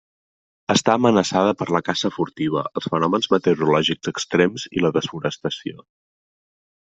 Està amenaçada per la caça furtiva, els fenòmens meteorològics extrems i la desforestació.